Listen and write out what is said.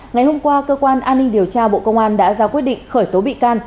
ngày hôm qua cơ quan an ninh điều tra bộ công an đã ra quyết định khởi tố bị can